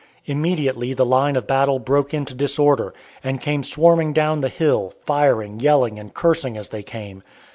Immediately the line of battle broke into disorder, and came swarming down the hill, firing, yelling, and cursing as they came.